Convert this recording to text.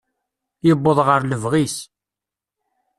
Yuweḍ ɣer lebɣi-s.